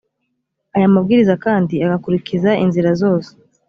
aya mabwiriza kandi agakurikiza inzira zose